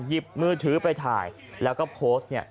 หยิบมือถือไปถ่ายแล้วก็โพสต์เนี่ย